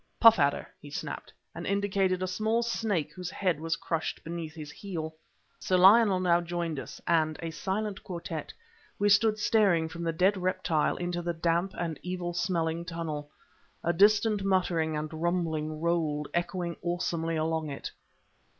"Puff adder!" he snapped, and indicated a small snake whose head was crushed beneath his heel. Sir Lionel now joined us; and, a silent quartette, we stood staring from the dead reptile into the damp and evil smelling tunnel. A distant muttering and rumbling rolled, echoing awesomely along it.